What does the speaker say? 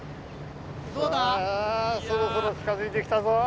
あぁそろそろ近づいて来たぞ。